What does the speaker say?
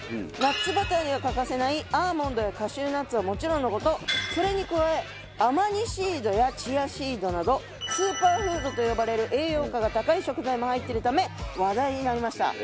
ナッツバターには欠かせないアーモンドやカシューナッツはもちろんのことそれに加えアマニシードやチアシードなどスーパーフードと呼ばれる栄養価が高い食材も入ってるため話題になりました。